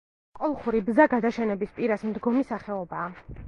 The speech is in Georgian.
კოლხური ბზა გადაშენების პირას მდგომი სახეობაა.